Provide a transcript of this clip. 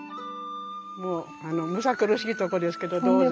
むさくるしいとこですけどどうぞ。